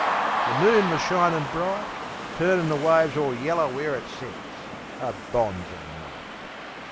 The moon was shinin' bright, Turnin' the waves all yeller where it set A bonzer night!